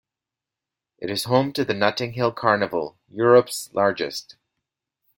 It is home to the Notting Hill Carnival, Europe's largest.